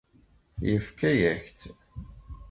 Yefka-yak-tt.